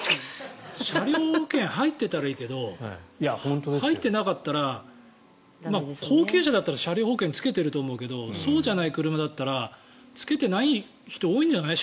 車両保険入っていたらいいけど入ってなかったら高級車だったら車両保険をつけてると思うけどそうじゃない車だったらつけてない人、多いんじゃない？